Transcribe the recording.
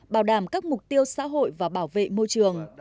bảo đảm các mục tiêu xã hội và bảo vệ môi trường